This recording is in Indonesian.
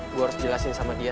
gue harus jelasin sama dia